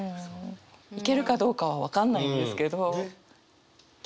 行けるかどうかは分かんないんですけど聞いてる感じ。